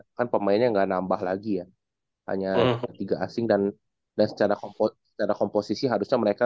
ya karena kan pemainnya enggak nambah lagi ya hanya tiga asing dan secara komposisi harusnya mereka